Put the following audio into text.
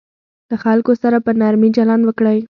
له خلکو سره په نرمي چلند وکړئ.